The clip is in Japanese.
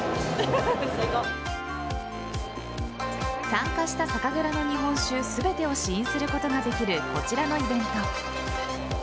参加した酒蔵の日本酒全てを試飲することができるこちらのイベント。